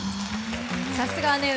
さすが姉上。